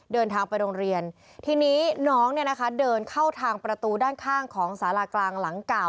เดินทางไปโรงเรียนทีนี้น้องเนี่ยนะคะเดินเข้าทางประตูด้านข้างของสารากลางหลังเก่า